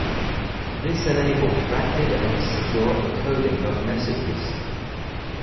This enabled rapid and secure encoding of messages.